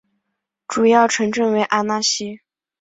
主要城镇为阿讷西。